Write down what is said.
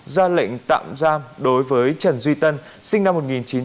ra lệnh tạm giam đối với trần duy tân sinh năm một nghìn chín trăm tám mươi